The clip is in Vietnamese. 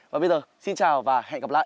và bây giờ xin chào và hẹn gặp lại